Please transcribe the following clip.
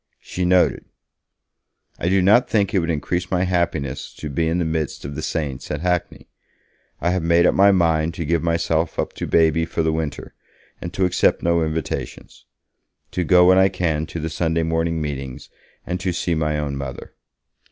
She noted: 'I do not think it would increase my happiness to be in the midst of the saints at Hackney. I have made up my mind to give myself up to Baby for the winter, and to accept no invitations. To go when I can to the Sunday morning meetings and to see my own Mother.'